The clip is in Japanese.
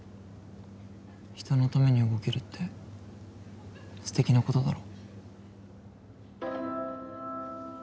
人のために動けるってすてきなことだろ？